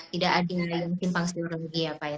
tidak ada yang mungkin pangsilologi ya pak